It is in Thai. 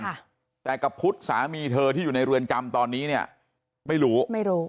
ค่ะแต่กับพุทธสามีเธอที่อยู่ในเรือนจำตอนนี้เนี้ยไม่รู้ไม่รู้